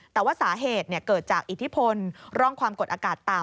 แต่ว่าสาเหตุเกิดจากอิทธิพลร่องความกดอากาศต่ำ